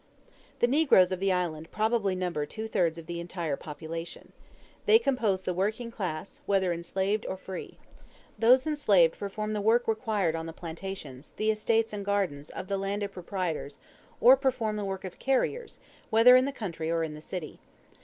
The negroes of the island probably number two thirds of the entire population. They compose the working class, whether enslaved or free. Those enslaved perform the work required on the plantations, the estates, and gardens of the landed proprietors, or perform the work of carriers, whether in the country or in the city.